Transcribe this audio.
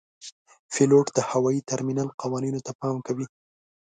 پیلوټ د هوايي ترمینل قوانینو ته پام کوي.